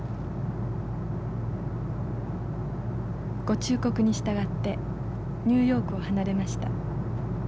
「御忠告にしたがってニューヨークを離れました。